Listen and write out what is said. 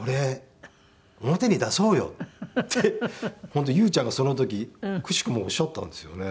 本当優ちゃんがその時くしくもおっしゃったんですよね。